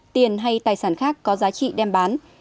tiền hay tài sản khác có giá trị đem bán